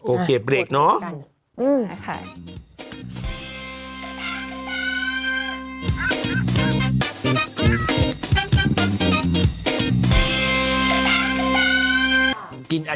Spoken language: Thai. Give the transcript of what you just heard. โอเคเบรกเนาะ